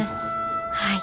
はい。